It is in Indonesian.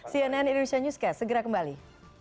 cnn indonesia newscast segera kembali